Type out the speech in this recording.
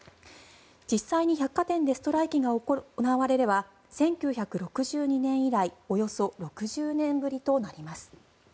実際に百貨店でストライキが行われれば１９６２年以来およそ６０年ぶりとなります。